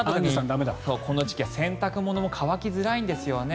こんな時期は洗濯物も乾きづらいんですよね。